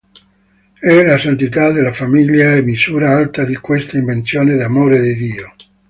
E la santità della famiglia è misura alta di questa invenzione d'amore di Dio.